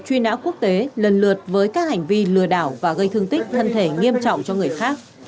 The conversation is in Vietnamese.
truy nã quốc tế lần lượt với các hành vi lừa đảo và gây thương tích thân thể nghiêm trọng cho người khác